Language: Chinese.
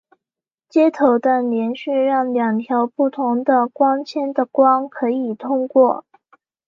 接头的接续让两条不同的光纤的光可以通过。